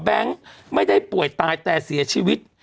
ไม่ได้ป่วยตายแต่เสียชีวิต